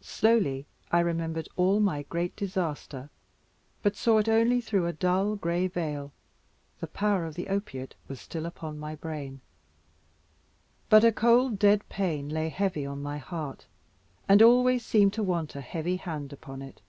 Slowly I remembered all my great disaster, but saw it only through a dull gray veil. The power of the opiate was still upon my brain. But a cold dead pain lay heavy on my heart, and always seemed to want a heavy hand upon it.